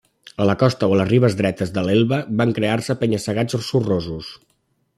A la costa o a les ribes dretes de l'Elba van crear-se penya-segats sorrosos.